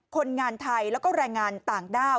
คนงานไทยแล้วก็แรงงานต่างด้าว